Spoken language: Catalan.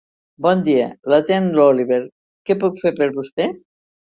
Bon dia, l'atén l'Oliver, què puc fer per vostè?